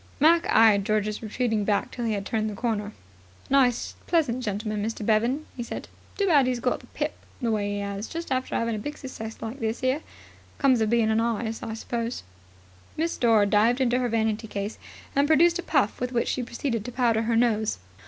Mac eyed George's retreating back till he had turned the corner. "A nice pleasant gentleman, Mr. Bevan," he said. "Too bad 'e's got the pip the way 'e 'as, just after 'avin' a big success like this 'ere. Comes of bein' a artist, I suppose." Miss Dore dived into her vanity case and produced a puff with which she proceeded to powder her nose.